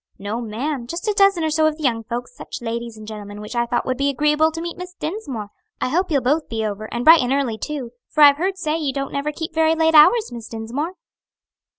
"No, ma'am, just a dozen or so of the young folks; such ladies and gentlemen which I thought would be agreeable to meet Miss Dinsmore. I hope you'll both be over and bright and early too; for I've heard say you don't never keep very late hours, Miss Dinsmore."